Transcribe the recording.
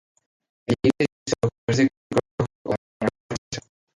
El iris de sus ojos es de color rojo o anaranjado rojizo.